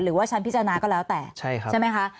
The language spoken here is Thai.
หรือว่าชั้นพิจารณาก็แล้วแต่ใช่ไหมคะ